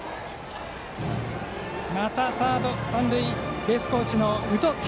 また三塁ベースコーチの宇都尊